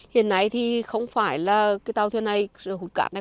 hiện nay thì không phải là cái tàu thuyền này hút cát này